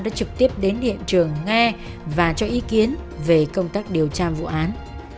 đã trực tiếp đến hiện trường nghe và cho ý kiến về công tác điều tra vụ án